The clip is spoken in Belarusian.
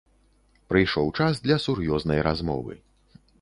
Прыйшоў час для сур'ёзнай размовы.